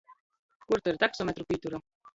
Kur te ir taksometru pītura?